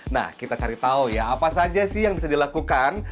nah kita cari tahu ya apa saja sih yang bisa dilakukan